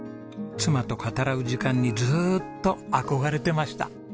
妻と語らう時間にずーっと憧れてました。